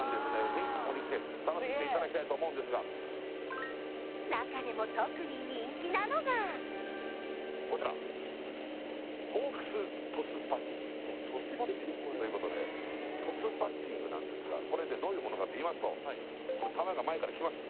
ぜひここに来て楽しんでいただきたいと思うんですが中でもこちらということでトスバッティングなんですがこれねどういうものかといいますと球が前からきます